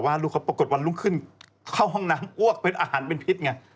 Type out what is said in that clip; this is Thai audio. ว่าปรากฏว่านุ่มขึ้นเข้าห้องน้ำอ้วกเป็นอาหารเป็นพิษเนี่ย